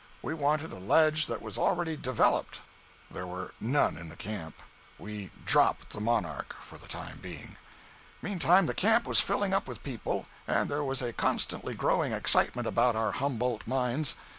We wanted a ledge that was already "developed." There were none in the camp. We dropped the "Monarch" for the time being. Meantime the camp was filling up with people, and there was a constantly growing excitement about our Humboldt mines.